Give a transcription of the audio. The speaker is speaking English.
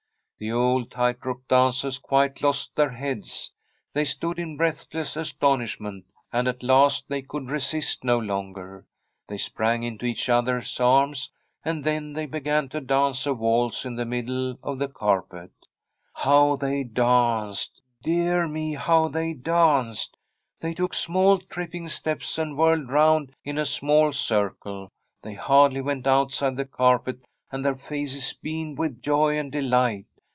The old tight rope dancers quite lost their heads. They stood in breathless astonishment, and at last they could resist no longer. They sprang into each other's arms, and then they be gan to dance a waltz in the middle of the carpet. From a SfFEDISH HOMESTEAD How they danced I dear me, how they danced ! They took small, tripping steps, and whirled round in a small circle; they hardly went out side the carpet, and their faces beamed with joy and delight.